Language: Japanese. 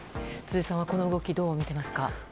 辻さんはこの動きどう見ていますか。